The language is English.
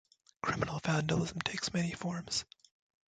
Criminal vandalism takes many forms.